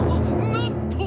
なんと！